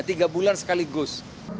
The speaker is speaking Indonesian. tiga bulan sekaligus